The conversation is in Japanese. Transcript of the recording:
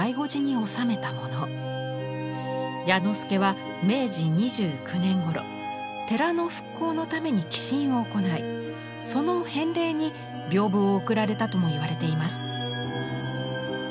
彌之助は明治２９年ごろ寺の復興のために寄進を行いその返礼に屏風をおくられたともいわれています。